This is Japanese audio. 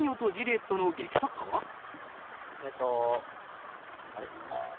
えっとあれ？